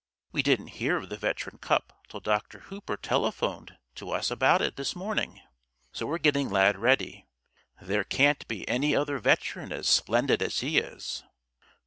We didn't hear of the Veteran Cup till Dr. Hooper telephoned to us about it this morning. So we're getting Lad ready. There can't be any other veteran as splendid as he is."